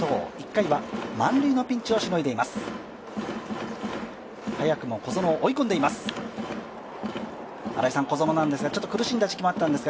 １回は満塁のピンチをしのいでいます。